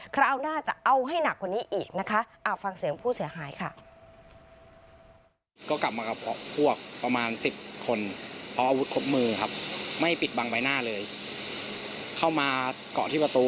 คราวหน้าจะเอาให้หนักคนนี้อีกนะคะ